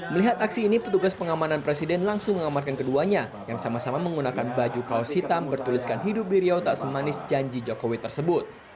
melihat aksi ini petugas pengamanan presiden langsung mengamarkan keduanya yang sama sama menggunakan baju kaos hitam bertuliskan hidup di riau tak semanis janji jokowi tersebut